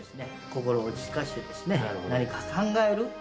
心を落ち着かせてですね何か考える。